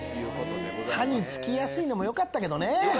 歯につきやすいのもよかったけどね。